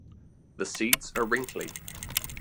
The seeds are wrinkly.